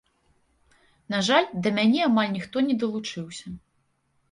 На жаль, да мяне амаль ніхто не далучыўся.